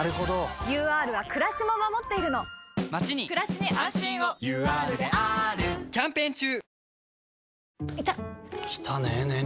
ＵＲはくらしも守っているのまちにくらしに安心をＵＲであーるキャンペーン中！